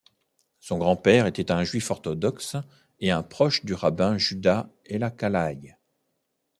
Son grand-père était un juif orthodoxe et un proche du rabbin Juda Elakalai.